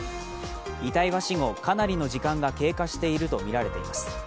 遺体は死後かなりの時間が経過しているとみられています。